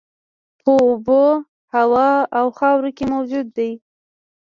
په اوبو، هوا او خاورو کې موجود دي.